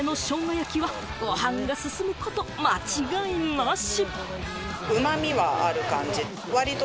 焼きは、ご飯が進むこと間違いなし！